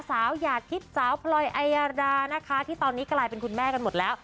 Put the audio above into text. สาวหญ่าทิปสาวพลอยอายดานะคะที่ตอนนี้กลายเป็นคุณแม่กันหมดแล้ว